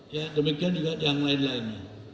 ya demikian juga yang lain lainnya